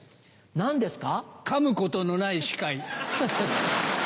何ですか？